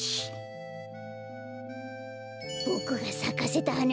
ボクがさかせたはな